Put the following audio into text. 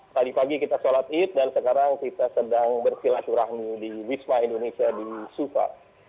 tadi pagi kita sholat id dan sekarang kita sedang bersilaturahmi di wisma indonesia di supa